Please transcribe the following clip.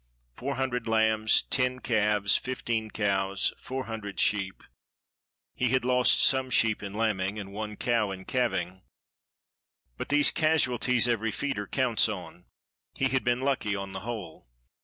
Four hundred lambs, ten calves, fifteen cows, four hundred sheep. He had lost some sheep in lambing, and one cow in calving, but these casualties every feeder counts on; he had been lucky on the whole.